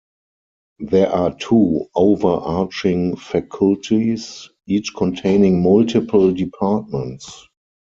There are two overarching faculties, each containing multiple departments.